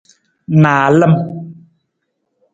Naalam.